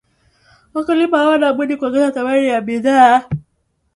wakulima hawana budi kuongeza thamani ya budhaa